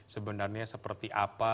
sebenarnya seperti apa